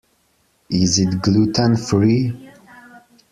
Is it gluten-free?